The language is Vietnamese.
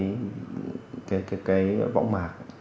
để cũng tốt cho cái võng mạc